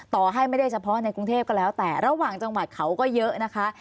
ต่อให้ไม่ได้เฉพาะในกรุงเทพก็แล้วแต่ระหว่างจังหวัดเขาก็เยอะนะคะ